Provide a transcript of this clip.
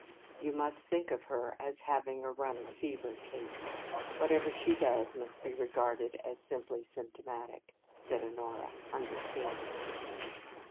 "You must think of her as having a run of fever, Kate. Whatever she does must be regarded as simply symptomatic," said Honora, understandingly.